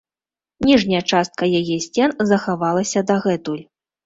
Ніжняя частка яе сцен захавалася дагэтуль.